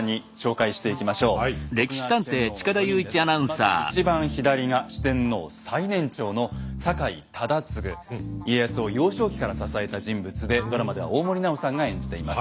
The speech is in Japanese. まず一番左が家康を幼少期から支えた人物でドラマでは大森南朋さんが演じています。